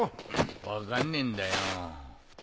分かんねえんだよ。